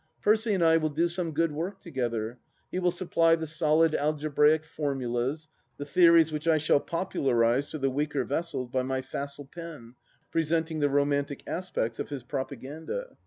Percy and I will do some good work together. He will supply the solid algebraic formulas, the theories which I shall popularize to the weaker vessels by my facile pen, presenting the romantic aspects of his propaganda.